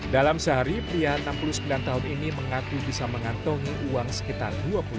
dalam sehari pria enam puluh sembilan tahun ini mengaku bisa mengantongi uang sekitar dua puluh